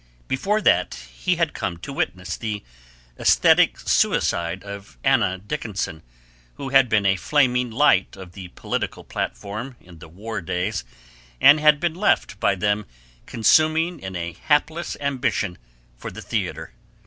Before that he had come to witness the aesthetic suicide of Anna Dickinson, who had been a flaming light of the political platform in the war days, and had been left by them consuming in a hapless ambition for the theatre.